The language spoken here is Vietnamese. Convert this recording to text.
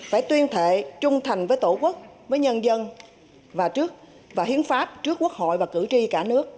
phải tuyên thệ trung thành với tổ quốc với nhân dân và trước và hiến pháp trước quốc hội và cử tri cả nước